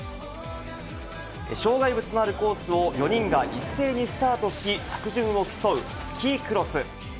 障害物のあるコースを４人が一斉にスタートし、着順を競うスキークロス。